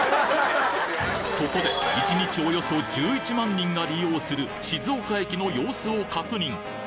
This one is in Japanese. そこで１日およそ１１万人が利用する静岡駅の様子を確認